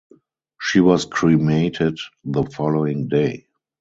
She was cremated the following day.